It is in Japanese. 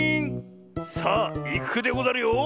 さあいくでござるよ。